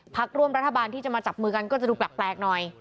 พักร่วมรัฐบาลที่จะมาจับมือกันก็จะดูแปลกหน่อย